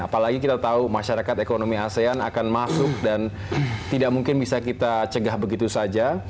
apalagi kita tahu masyarakat ekonomi asean akan masuk dan tidak mungkin bisa kita cegah begitu saja